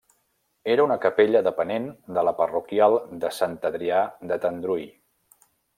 Era una capella depenent de la parroquial de Sant Adrià de Tendrui.